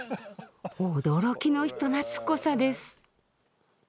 驚きの人なつっこさです。